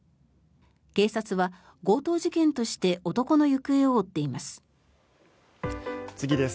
警察は強盗事件として男の行方を追っています。